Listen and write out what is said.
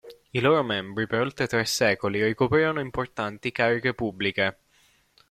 I loro membri per oltre tre secoli ricoprirono importanti cariche pubbliche.